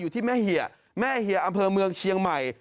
อยู่ที่แม่เหยะแม่เหยะอำเภอเมืองเชียงใหม่